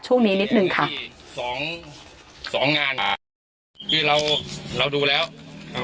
ช่วงนี้นิดหนึ่งค่ะสองสองงานค่ะคือเราเราดูแล้วครับ